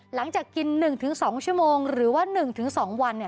หลังจากกิน๑๒ชั่วโมงหรือว่า๑๒วัน